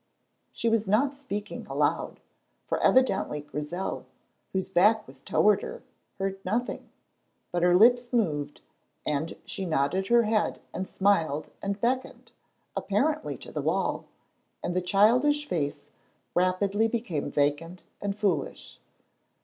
She was not speaking aloud, for evidently Grizel, whose back was toward her, heard nothing, but her lips moved and she nodded her head and smiled and beckoned, apparently to the wall, and the childish face rapidly became vacant and foolish.